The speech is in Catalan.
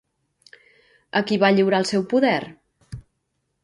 A qui va lliurar el seu poder?